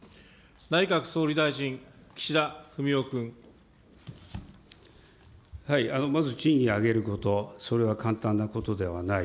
内閣総理大臣、まず賃金を上げること、それは簡単なことではない。